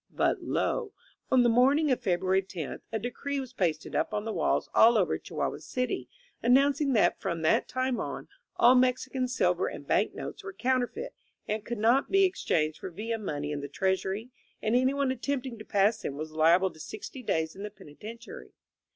But lo ! on the morning of February tenth, a decree was pasted up on the walls all over Chihuahua City, an nouncing that from that time on all Mexican silver and bank notes were counterfeit and could not be ex changed for Villa money in the Treasury, and anyone attempting to pass them was liable to sixty days in the penitentiary.